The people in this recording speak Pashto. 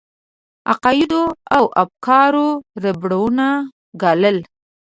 عقایدو او افکارو ربړونه ګالل.